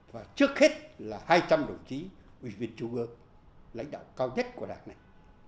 và trước hết là hai trăm linh đồng chí ủy viên trung ương lãnh đạo cao nhất của đảng này